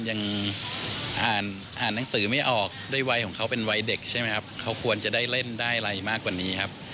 ยังอ่านหนังสือไม่ออกด้วยวัยของเขาเป็นวัยเด็กใช่ไหมครับ